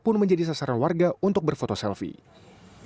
pun menjadi sasaran warga untuk berfoto selfie